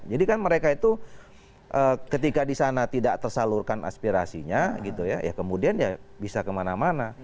jadi kan mereka itu ketika di sana tidak tersalurkan aspirasinya gitu ya ya kemudian ya bisa kemana mana